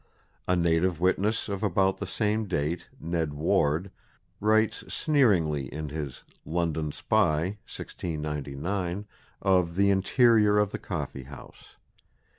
A native witness of about the same date, Ned Ward, writes sneeringly in his "London Spy," 1699, of the interior of the coffee house.